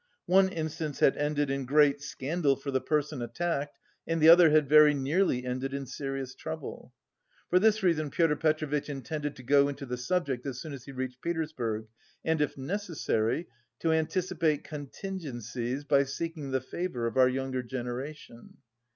One instance had ended in great scandal for the person attacked and the other had very nearly ended in serious trouble. For this reason Pyotr Petrovitch intended to go into the subject as soon as he reached Petersburg and, if necessary, to anticipate contingencies by seeking the favour of "our younger generation."